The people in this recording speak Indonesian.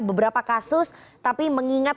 beberapa kasus tapi mengingat